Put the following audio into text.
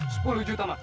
sepuluh juta mas